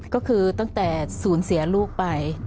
ก็คือตั้งแต่ศูนย์เสียลูกไป